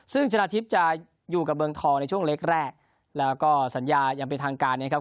ซึ่งชนะทิพย์จะอยู่กับเมืองทองในช่วงเล็กแรกแล้วก็สัญญายังเป็นทางการนะครับ